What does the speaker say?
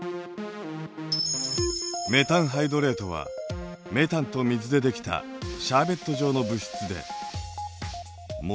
メタンハイドレートはメタンと水でできたシャーベット状の物質で燃える氷ともいわれます。